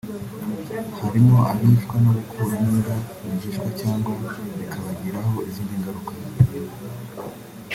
harimo abicwa no gukuramo inda rwihishwa cyangwa bikabagiraho izindi ngaruka